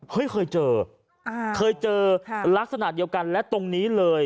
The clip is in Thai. เคยเจอเคยเจอลักษณะเดียวกันและตรงนี้เลย